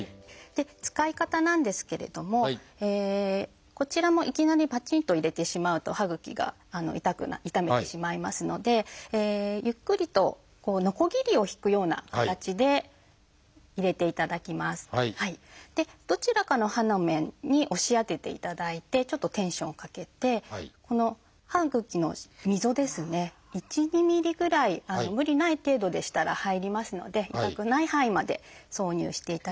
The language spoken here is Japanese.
使い方なんですけれどもこちらもいきなりぱちんと入れてしまうと歯ぐきが傷めてしまいますのでどちらかの歯の面に押し当てていただいてちょっとテンションをかけてこの歯ぐきの溝１２ｍｍぐらい無理ない程度でしたら入りますので痛くない範囲まで挿入していただきまして。